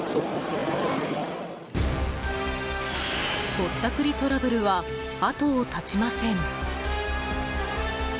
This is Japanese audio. ぼったくりトラブルは後を絶ちません。